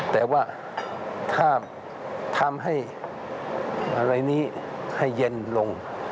แต่ว่าถ้าทำให้อะไรนี้ให้เย็นลง